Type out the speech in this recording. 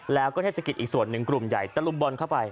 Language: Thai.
แล้วก็เทศกิจอีกส่วนหนึ่งกลุ่มใหญ่ตะลุมบอลเข้าไป